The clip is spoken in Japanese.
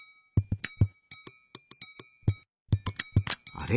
あれ？